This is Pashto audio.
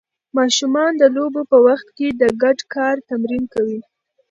ماشومان د لوبو په وخت کې د ګډ کار تمرین کوي.